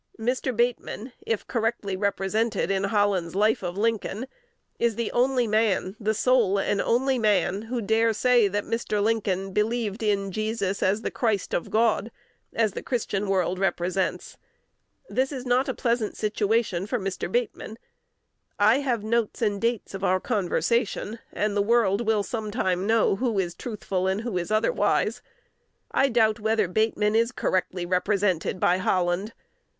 Mr. Bateman, if correctly represented in Holland's "Life of Lincoln," is the only man, the sole and only man, who dare say that Mr. Lincoln believed in Jesus as the Christ of God, as the Christian world represents. This is not a pleasant situation for Mr. Bateman. I have notes and dates of our conversation; and the world will sometime know who is truthful, and who is otherwise. I doubt whether Bateman is correctly represented by Holland.